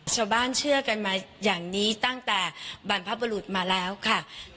เชื่อกันมาอย่างนี้ตั้งแต่บรรพบรุษมาแล้วค่ะ